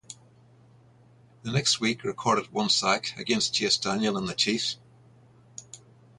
The next week recorded one sack against Chase Daniel and the Chiefs.